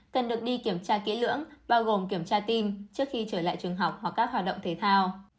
cần được đi kiểm tra kỹ lưỡng bao gồm kiểm tra tin trước khi trở lại trường học hoặc các hoạt động thể thao